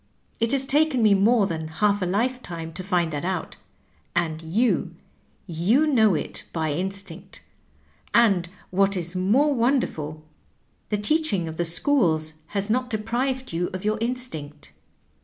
It has taken me more than half a lifetime to find that out, and you — ^you know it by instinct; and what is more wonderful, the teaching of the schools has not deprived you of your instinct.